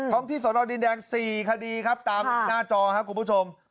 ที่สนดินแดง๔คดีครับตามหน้าจอครับคุณผู้ชม